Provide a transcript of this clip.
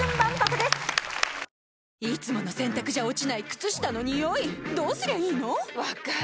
いつもの洗たくじゃ落ちない靴下のニオイどうすりゃいいの⁉分かる。